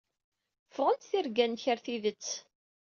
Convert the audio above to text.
Ffɣent tirga-nnek ɣer tidet.